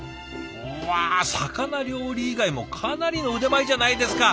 うわ魚料理以外もかなりの腕前じゃないですか！